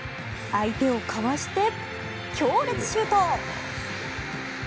相手をかわして、強烈シュート！